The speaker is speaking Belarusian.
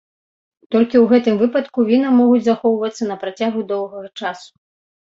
Толькі ў гэтым выпадку віна могуць захоўвацца на працягу доўгага часу.